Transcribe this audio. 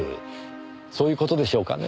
そういう事でしょうかね？